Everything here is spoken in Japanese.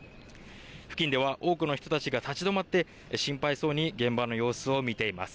付近では多くの人たちが立ち止まって心配そうに現場の様子を見ています。